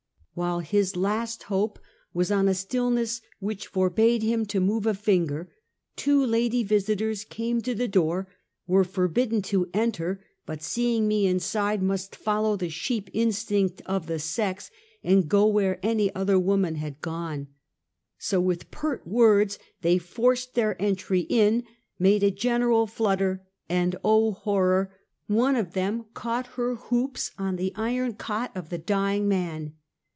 While his last hope was on a stillness which forbade him to move a finger, two lady visitors came to the door, were forbidden to enter, but seeing me inside, must follow the sheep instinct of the sex, and go where any other woman liad gone. So, with pert words, they forced their way in, made a general flutter, and, oh horror! one of them caught her hoops on the iron cot of the dying man.